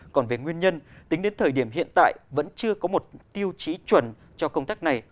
còn về nguyên nhân tính đến thời điểm hiện tại vẫn chưa có một tiêu chí chuẩn cho công tác này